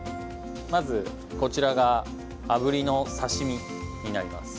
まずこちらがあぶりの刺身になります。